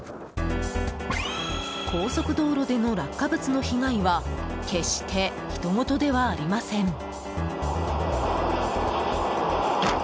高速道路での落下物の被害は決してひとごとではありません。